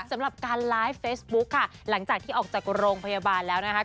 สำหรับการไลฟ์เฟซบุ๊คค่ะหลังจากที่ออกจากโรงพยาบาลแล้วนะคะ